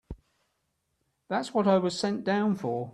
That's what I was sent down for.